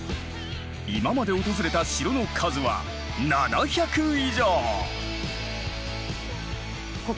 今まで訪れた城の数は７００以上！